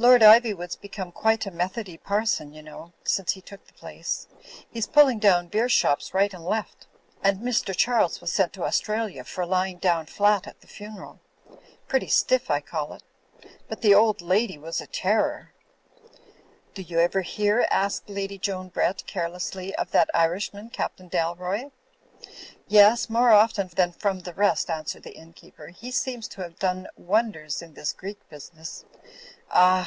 "Lord Ivywood's become quite a Methody parson, you know, since he took the place; he's pulling down beer shops right and left. And Mr. Charles was sent to Australia for lying down flat at the funeral. Pretty stiff I call it ; but the old lady was a terror." "Do you ever hear," asked Lady Joan Brett, care lessly, "of that Irishman, Captain Dalroy?" "Yes, more often than from the rest," answered the innkeeper. "He seems to have done wonders in this Greek business. Ah!